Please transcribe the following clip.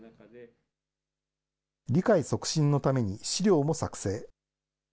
理解促進のために資料も作成。